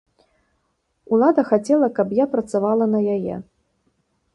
Улада хацела, каб я працавала на яе.